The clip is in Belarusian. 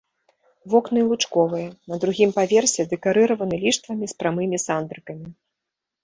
Вокны лучковыя, на другім паверсе дэкарыраваны ліштвамі з прамымі сандрыкамі.